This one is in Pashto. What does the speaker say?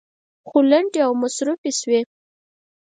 خو لنډې او مصروفې شوې.